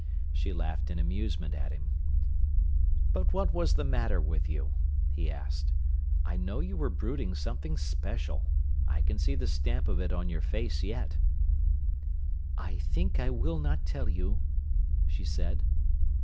She laughed in amusement at him. "But what was the matter with you?" he asked. "I know you were brooding something special. I can see the stamp of it on your face yet." "I think I will not tell you," she said.